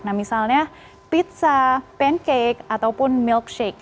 nah misalnya pizza pancake ataupun milkshake